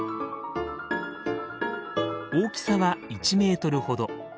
大きさは１メートルほど。